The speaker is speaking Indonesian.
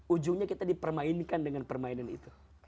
ujungnya kita dipermainkan dengan permainan itu